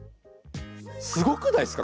すごくないっすか？